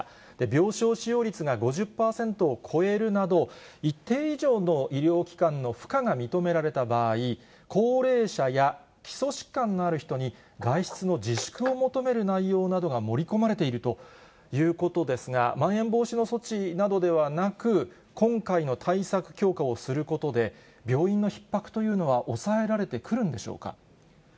病床使用率が５０％を超えるなど、一定以上の医療機関の負荷が認められた場合、高齢者や基礎疾患のある人に外出の自粛を求める内容などが盛り込まれているということですが、まん延防止の措置などではなく、今回の対策強化をすることで、病院のひっ迫というのは抑えられてくるんでしょうか。